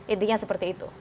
intinya seperti itu